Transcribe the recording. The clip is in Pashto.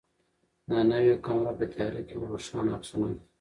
دا نوې کامره په تیاره کې هم روښانه عکسونه اخلي.